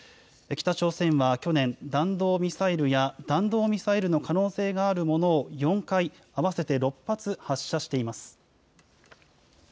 北朝鮮は去年、弾道ミサイルや弾道ミサイルの可能性があるものを４回、合わせて６発発射しています。